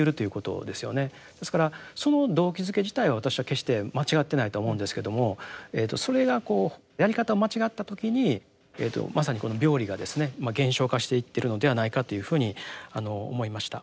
ですからその動機づけ自体は私は決して間違ってないと思うんですけどもそれがこうやり方を間違った時にまさにこの病理がですね現象化していってるのではないかというふうに思いました。